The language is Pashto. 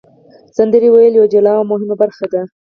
سندرې ویل یوه جلا او مهمه برخه ده.